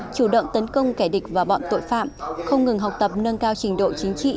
chủ động tấn công kẻ địch và bọn tội phạm không ngừng học tập nâng cao trình độ chính trị